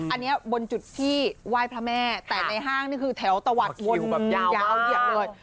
อันนี้บนจุดที่ไหว้พระแม่แต่ในห้างนี่คือแถวตะวัดยาวเหยียบเลย